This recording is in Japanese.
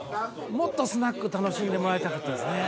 もっとスナック楽しんでもらいたかったですね。